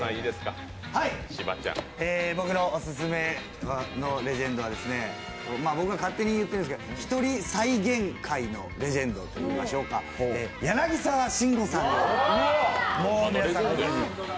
僕のオススメのレジェンドは、僕が勝ってに言ってるんですけど、ひとり再現界のレジェンドというんでしょうか、柳沢慎吾さんです。